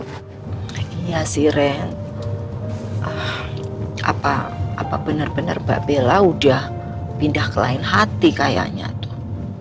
iya sih ren apa bener bener mbak bella udah pindah ke lain hati kayaknya tuh